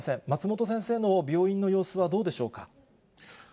松本先生の病院の様子はどうでしょうか。